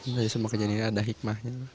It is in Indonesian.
dari semua kejadian ini ada hikmahnya